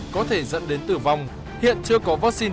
có thể dẫn đến tử vong hiện chưa có vaccine